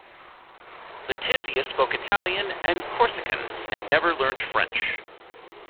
Letizia spoke Italian and Corsican, and never learned French.